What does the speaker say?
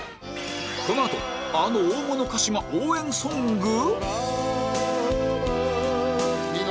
このあとあの大物歌手が応援ソング！？